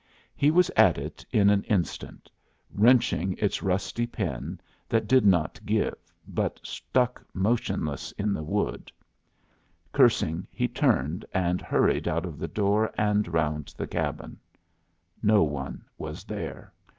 He was at it in an instant, wrenching its rusty pin, that did not give, but stuck motionless in the wood. Cursing, he turned and hurried out of the door and round the cabin. No one was there.